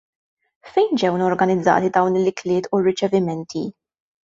Fejn ġew organizzati dawn l-ikliet u r-riċevimenti?